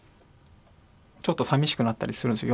ちょっとさみしくなったりするんですよ